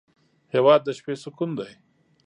هېواد د شپې سکون دی.